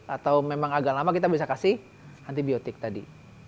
atau memang agak lama kita bisa kasih antibiotik tadi